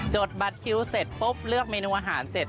ดบัตรคิวเสร็จปุ๊บเลือกเมนูอาหารเสร็จ